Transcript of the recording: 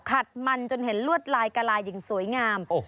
ขัดมันจนเห็นลวดลายกะลาอย่างสวยงาม